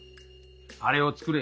あれを作れ